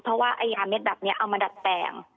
เพราะว่ายาเม็ดแบบนี้เอามาดัดแปลง